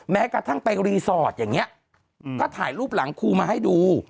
แม้กระทั่งไปรีสอร์ทอย่างนี้ก็ถ่ายรูปหลังครูมาให้ดู